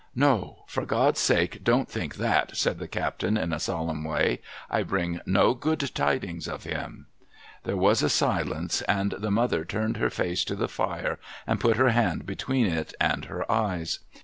' No ! For God's sake, don't think that !' said the captain, in a solemn way; 'I bring no good tidings of him.' There was a silence, and the mother turned her face to the fire and put her hand between it and her eyes.